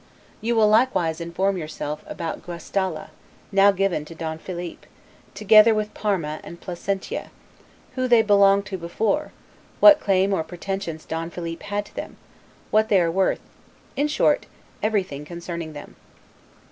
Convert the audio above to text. You will likewise inform yourself about Guastalla, now given to Don Philip, together with Parma and Placentia; who they belonged to before; what claim or pretensions Don Philip had to them; what they are worth; in short, everything concerning them.